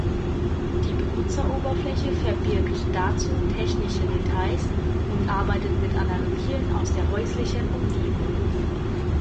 Die Benutzeroberfläche verbirgt dazu technische Details und arbeitet mit Analogien aus der häuslichen Umgebung.